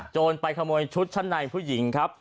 ไปขโมยชุดชั้นในผู้หญิงครับ